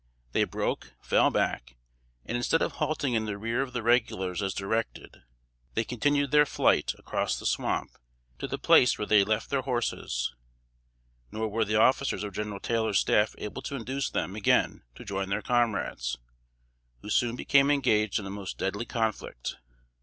They broke, fell back, and instead of halting in the rear of the regulars as directed, they continued their flight across the swamp, to the place where they left their horses; nor were the officers of General Taylor's staff able to induce them again to join their comrades, who soon became engaged in a most deadly conflict.